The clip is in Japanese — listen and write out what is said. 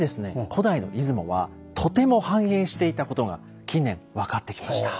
古代の出雲はとても繁栄していたことが近年分かってきました。